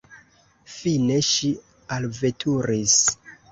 Fine ŝi alveturis.